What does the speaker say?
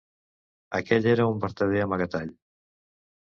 Aquell era un vertader amagatall.